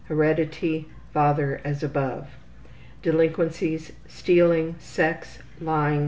Heredity(?): Father as above. Delinquencies: Mentality: Stealing.